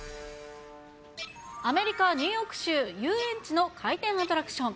アメリカ・ニューヨーク州、遊園地の回転アトラクション。